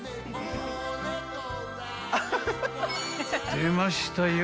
［出ましたよ